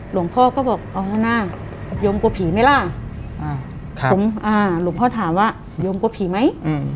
หลวงพ่อก็บอกอ๋อหน้าโยมกว่าผีไหมล่ะหลวงพ่อถามว่าโยมกว่าผีไหม